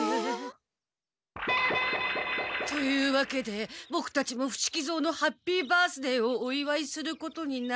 というわけでボクたちも伏木蔵のハッピー・バースデーをおいわいすることになり。